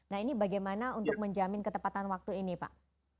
nah ini bagaimana untuk menjamin ketepatan waktu ini pak